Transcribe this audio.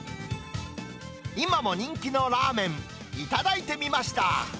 今も人気のラーメン、頂いてみました。